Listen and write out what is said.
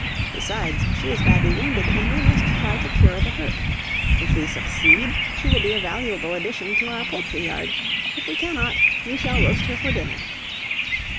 Besides, she is badly wounded, and we must try to cure the hurt. If we succeed, she will be a valuable addition to our poultry yard; if we cannot, you shall roast her for dinner."